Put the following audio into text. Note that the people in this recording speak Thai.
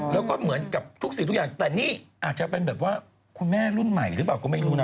แล้วก็เหมือนกับทุกสิ่งทุกอย่างแต่นี่อาจจะเป็นแบบว่าคุณแม่รุ่นใหม่หรือเปล่าก็ไม่รู้นะ